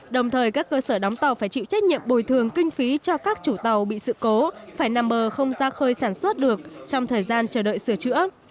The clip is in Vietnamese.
đồng thời các cơ sở đóng tàu phải chịu trách nhiệm bồi thường kinh phí cho các chủ tàu bị sự cố phải nằm bờ không ra khơi sản xuất được trong thời gian chờ đợi sửa chữa